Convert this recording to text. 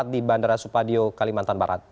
di bandara supadio kalimantan barat